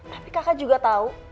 tapi kakak juga tau